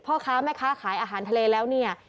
พ่อค้าแม่ค้าขายอาหารทะเลแล้วเนี่ย